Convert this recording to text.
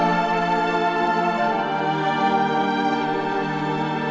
mau meeting dadakan hari ini